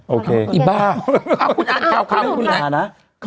โอเคอีบ้า